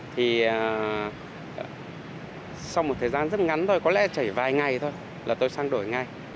thì sau một thời gian rất ngắn thôi có lẽ chảy vài ngày thôi là tôi sang đổi ngay